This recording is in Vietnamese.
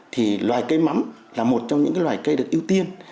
thì loài cây mắm là một trong những loài cây được ưu tiên